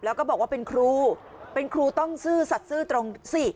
แล้วก็บอกว่าเป็นครูเป็นครูต้องซื่อสัตว์ซื่อตรงสิ